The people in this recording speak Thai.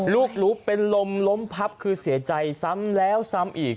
ลูกลุกเป็นลมล้มพับคือเสียใจซ้ำแล้วซ้ำอีก